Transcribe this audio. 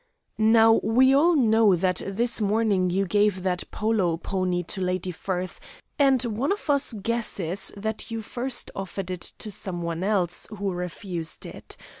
"Now, we all know that this morning you gave that polo pony to Lady Firth, and one of us guesses that you first offered it to some one else, who refused it.